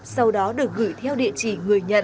sau đó được gửi theo địa chỉ người nhận